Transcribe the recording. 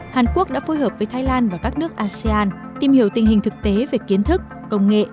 hàn quốc đã phối hợp với thái lan và các nước asean tìm hiểu tình hình thực tế về kiến thức công nghệ